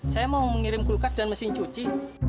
saya mau mengirim kulkas dan mesin cuci